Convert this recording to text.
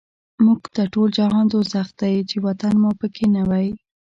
موږ ته ټول جهان دوزخ دی، چی وطن مو په کی نه وی